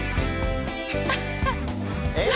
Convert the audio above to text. えっ？